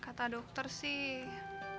kata dokter sih